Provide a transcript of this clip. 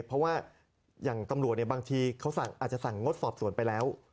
เพราะว่าอย่างตำรวจบางทีเขาอาจจะสั่งงดสอบสวนไปแล้ว